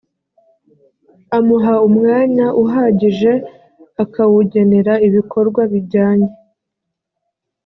amuha umwanya uhagije akawugenera ibikorwa bijyanye